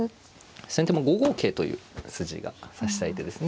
先手も５五桂という筋が指したい手ですね。